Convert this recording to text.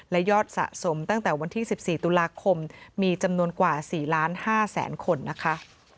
และยอดสะสมตั้งแต่วันที่๑๔ตุลาคมมีจำนวนกว่า๔๕๐๐๐คนนะคะ